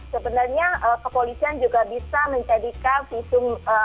sebenarnya kepolisian juga bisa mencadangkan visumnya